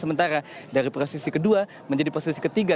sementara dari posisi kedua menjadi posisi ketiga